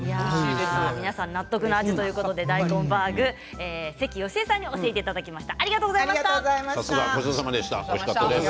皆さん納得の味ということで、大根バーグ関好江さんに教えていただきました。